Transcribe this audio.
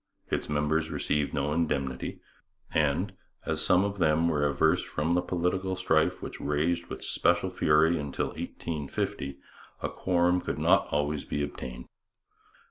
Its members received no indemnity; and, as some of them were averse from the political strife which raged with special fury until 1850, a quorum could not always be obtained.